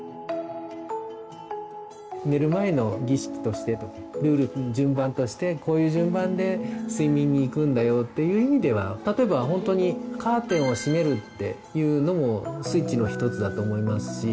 寝る前の儀式としてルール順番としてこういう順番で睡眠にいくんだよっていう意味では例えばほんとにカーテンをしめるっていうのもスイッチの一つだと思いますし。